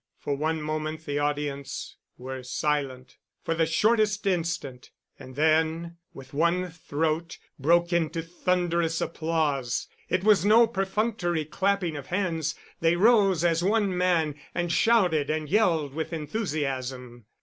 For one moment the audience were silent for the shortest instant; and then with one throat, broke into thunderous applause. It was no perfunctory clapping of hands; they rose as one man, and shouted and yelled with enthusiasm.